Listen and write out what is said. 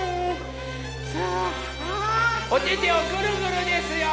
さあおててをぐるぐるですよ！